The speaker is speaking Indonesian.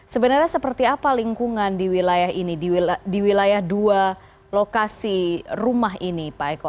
sebenarnya seperti apa lingkungan di wilayah ini di wilayah dua lokasi rumah ini pak eko